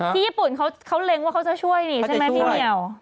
ญี่ปุ่นเขาเล็งว่าเขาจะช่วยนี่ใช่ไหมพี่เหมียว